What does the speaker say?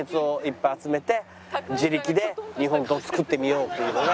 自力で日本刀を作ってみようというのが今。